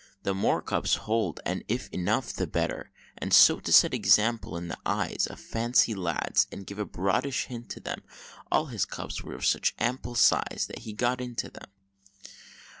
_" The more cups hold, and if enough, the better. And so to set example in the eyes Of Fancy's lads, and give a broadish hint to them, All his cups were of such ample size That he got into them.